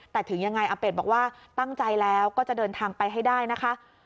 แต่ถึงยังไงอาเป็ดบอกว่าตั้งใจแล้วก็จะเดินทางไปให้ได้นะคะ